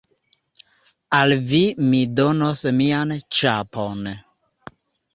Al vi mi donos mian ĉapon.